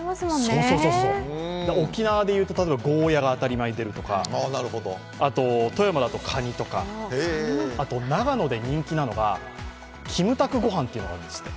沖縄でいうと、例えばゴーヤが当たり前に出るとか富山だとカニとか、長野で人気なのがキムタクご飯ってのがあるんですって。